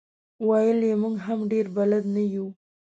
ویل یې موږ هم ډېر بلد نه یو.